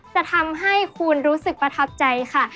จะทำให้คุณรู้สึกประทับใจค่ะ